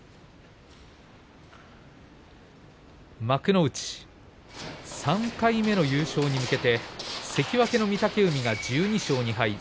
幕内３回目の優勝に向けて関脇の御嶽海が１２勝２敗。